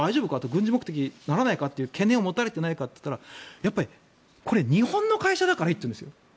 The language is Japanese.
軍事目的にならないかって懸念を持たれてないかっていったらやっぱり、これ日本の会社だからいいっていうんですよ。